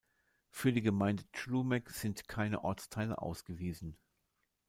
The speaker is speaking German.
Für die Gemeinde Chlumek sind keine Ortsteile ausgewiesen.